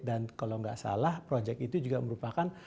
dan kalau nggak salah proyek itu juga merupakan